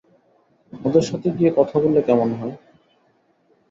ওদের সাথে গিয়ে কথা বললে কেমন হয়।